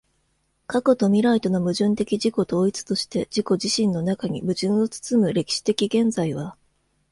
過去と未来との矛盾的自己同一として自己自身の中に矛盾を包む歴史的現在は、